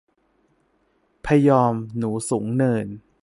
พยอม หนูสูงเนิน